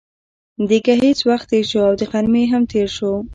د ګهیځ وخت تېر شو او د غرمې هم تېر شو.